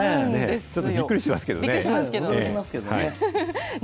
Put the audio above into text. ちょっとびっくりしますけどね。